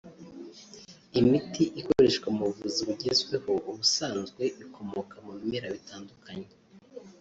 Imiti ikoreshwa mu buvuzi bugezweho ubusanzwe ikomoka mu bimera bitandukanye